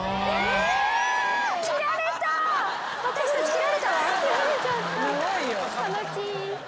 切られちゃった悲ちい。